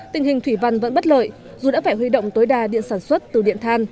tình hình thủy văn vẫn bất lợi dù đã phải huy động tối đa điện sản xuất từ điện than